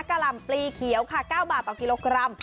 กล่ำปลีเขียวค่ะ๙บาทต่อกิโลกรัม